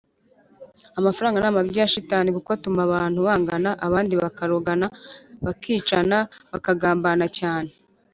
amafaranga namabyi ya shitani kuko atuma abantu bangana ,abandi bakarogana, bakicana, bakagambana cyane